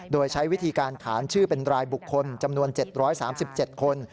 โดยใช้วิธีการขานชื่อเป็นรายบุคคลจำนวน๗๓๗คน